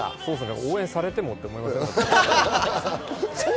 応援されてもって思いません？